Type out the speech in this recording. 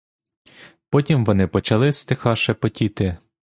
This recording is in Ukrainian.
Потім вони почали стиха шепотіти.